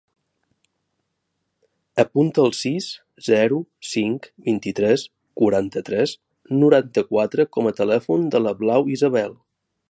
Apunta el sis, zero, cinc, vint-i-tres, quaranta-tres, noranta-quatre com a telèfon de la Blau Isabel.